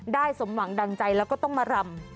สมหวังดังใจแล้วก็ต้องมารำ